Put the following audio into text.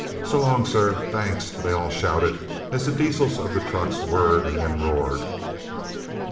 "So long, sir... Thanks..." they all shouted as the diesels of the trucks whirred and then roared.